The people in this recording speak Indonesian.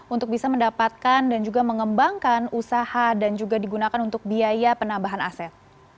untuk bisa mendapatkan dan juga mengembangkan usaha dan juga digunakan untuk biaya penambahan aset